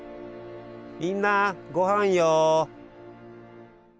みんなごはんよ。